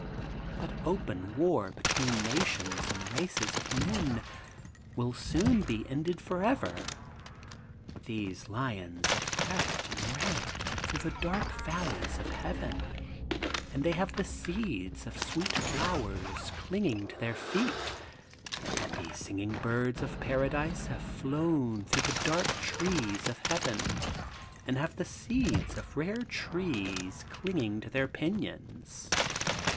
But open war between nations and races of men will soon be ended forever. These lio)ns have crept and ramped through the dark valleys of Heaven and they have the seeds of sweet flowers clinging to their feet and these singing birds of paradise have flown through the dark trees of heaven, and have the seeds of rare trees clinging to their pinions.